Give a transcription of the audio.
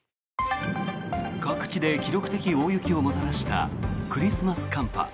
各地で記録的大雪をもたらしたクリスマス寒波。